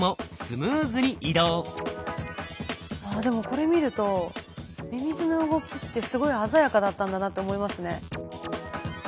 これ見るとミミズの動きってすごい鮮やかだったんだなって思いますね。